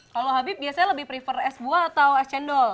kalau habib biasanya lebih prefer es buah atau es cendol